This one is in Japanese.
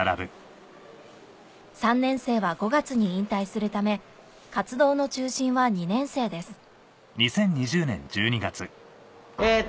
３年生は５月に引退するため活動の中心は２年生ですえっと